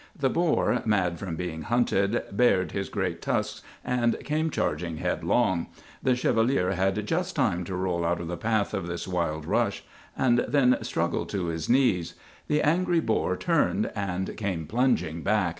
The boar, mad from being hunted, bared his great tusks and came charging headlong. The Chevalier had just time to roll out of the path of this wild rush and then struggled to his knees. The angry boar turned and came plunging back.